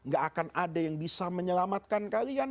gak akan ada yang bisa menyelamatkan kalian